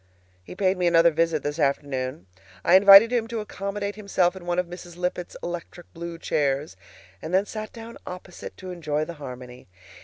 He paid me another visit this afternoon. I invited him to accommodate himself in one of Mrs. Lippett's electric blue chairs, and then sat down opposite to enjoy the harmony.